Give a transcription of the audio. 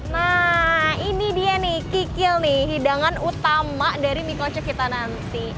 nah ini dia nih kikil nih hidangan utama dari mie kocok kita nanti